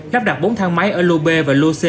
lắp đặt bốn thang máy ở lô b và lô c